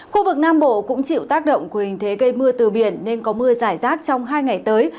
khu vực nam bộ cũng chịu tác động của hình thế gây mưa từ biển nên có mưa giải rác trong hai ngày tới